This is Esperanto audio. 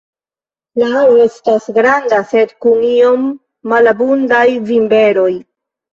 La aro estas granda sed kun iom malabundaj vinberoj.